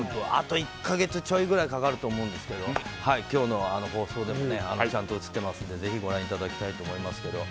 あと１か月ちょいくらいかかると思うんですが今日の放送でもちゃんと映ってますんでぜひご覧いただきたいと思います。